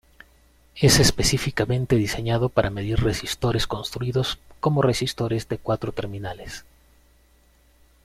Es específicamente diseñado para medir resistores construidos como resistores de cuatro terminales.